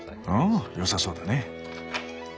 ああ良さそうだね。